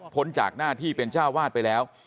จากหน้าที่เป็นเจ้าวาดไปแล้ว